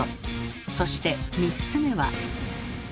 そして３つ目は？